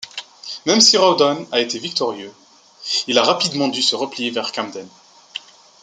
Même si Rawdon a été victorieux, il a rapidement dû se replier vers Camden.